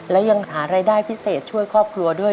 และยังหารายได้พิเศษช่วยครอบครัวด้วย